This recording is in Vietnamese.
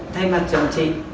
thay mặt chồng chị